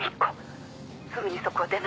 すぐにそこを出なさい。